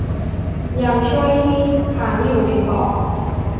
ยังช่วย ที่ค้างอยู่ในปอด